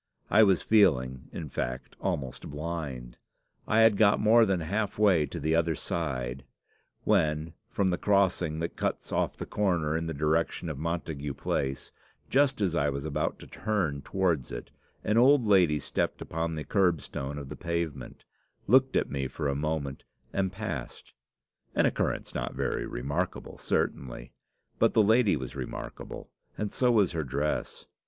I was feeling, in fact, almost blind. I had got more than half way to the other side, when, from the crossing that cuts off the corner in the direction of Montagu Place, just as I was about to turn towards it, an old lady stepped upon the kerbstone of the pavement, looked at me for a moment, and passed an occurrence not very remarkable, certainly. But the lady was remarkable, and so was her dress.